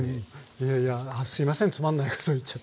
いやいやあすいませんつまんないこと言っちゃって。